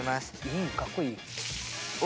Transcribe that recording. インかっこいい。